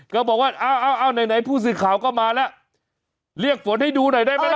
ก็บอกว่าเอาเอาไหนไหนผู้สื่อข่าวก็มาแล้วเรียกฝนให้ดูหน่อยได้ไหมล่ะ